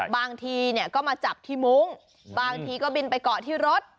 บางทีเนี่ยก็มาจับที่มุ้งบางทีก็บินไปเกาะที่รถ